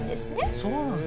そうなんだ。